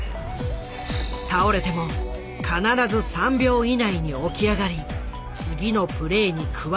倒れても必ず３秒以内に起き上がり次のプレーに加わり続けるリロード。